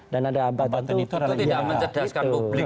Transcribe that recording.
dan ada hambatan itu tidak mencedaskan publik